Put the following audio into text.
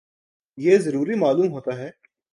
یہ ضروری معلوم ہوتا ہے